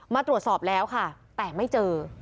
มาตรวจสอบแล้วค่ะแต่ไม่เจอ